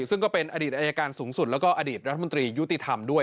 ซึ่งก็เป็นอดีตอายการสูงสุดแล้วก็อดีตรัฐมนตรียุติธรรมด้วย